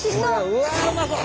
うわうまそう！